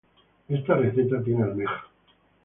Esta receta tiene almeja.